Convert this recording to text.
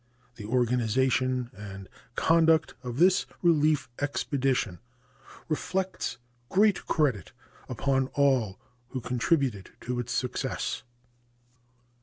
The organization and conduct of this relief expedition reflects great credit upon all who contributed to its success.